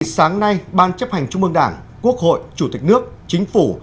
sáng nay ban chấp hành trung mương đảng quốc hội chủ tịch nước chính phủ